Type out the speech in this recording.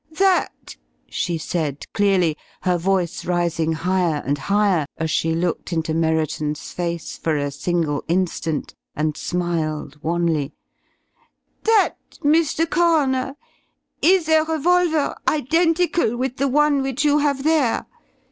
"That," she said clearly, her voice rising higher and higher, as she looked into Merriton's face for a single instant and smiled wanly, "that, Mr. Coroner, is a revolver identical with the one which you have there.